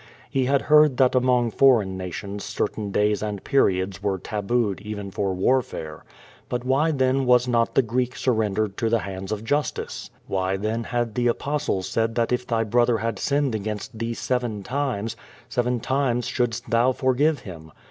He had heard that among foreign nations certain days and periods were tabooed even for warfare. But why, then, was not the Greek surrendered to the hands of justice? Why, then, had the Apostle said that if thy brother had sinned against thee seven times, seven times shouldst thou forgive him?